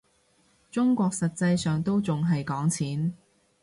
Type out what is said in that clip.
中國實際上都仲係講錢